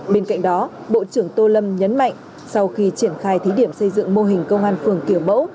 bên cạnh đó bộ trưởng tô lâm nhấn mạnh sau khi triển khai thí điểm xây dựng mô hình công an phường kiểu mẫu